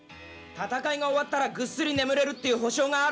戦いが終わったらぐっすり眠れるっていう保証があるんですか！